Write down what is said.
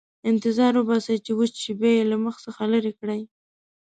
انتظار وباسئ چې وچ شي، بیا یې له مخ څخه لرې کړئ.